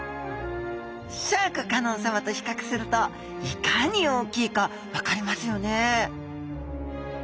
シャーク香音さまと比較するといかに大きいか分かりますよね